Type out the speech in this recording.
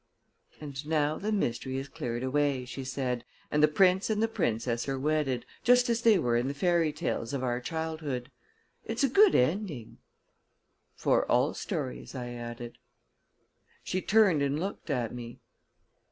"And now the mystery is cleared away," she said, "and the prince and the princess are wedded, just as they were in the fairy tales of our childhood. It's a good ending." "For all stories," I added. She turned and looked at me.